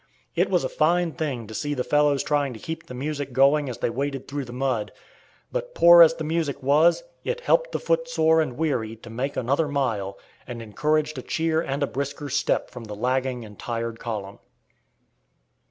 It was a fine thing to see the fellows trying to keep the music going as they waded through the mud. But poor as the music was, it helped the footsore and weary to make another mile, and encouraged a cheer and a brisker step from the lagging and tired column.